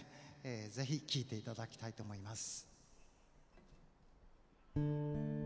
ぜひ聴いて頂きたいと思います。